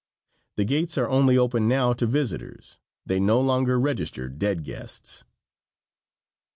The gates are only open now to visitors. They no longer register dead guests.